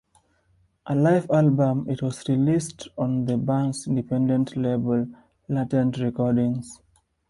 A live album, it was released on the band's independent label, Latent Recordings.